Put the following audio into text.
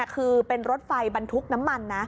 คือเป็นรถไฟบันทุกข์น้ำมัน